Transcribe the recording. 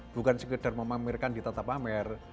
bukan sekedar memamerkan di tata pamer